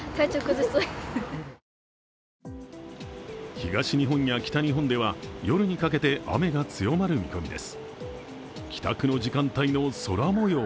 東日本や北日本では夜にかけて雨が強まる見込みです。